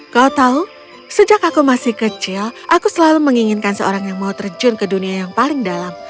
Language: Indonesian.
kau tahu sejak aku masih kecil aku selalu menginginkan seorang yang mau terjun ke dunia yang paling dalam